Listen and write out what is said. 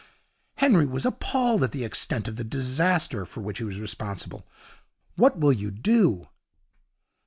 Henry was appalled at the extent of the disaster for which he was responsible. 'What will you do?'